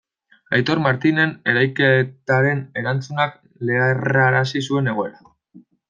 Aitor Martinen erailketaren erantzunak leherrarazi zuen egoera.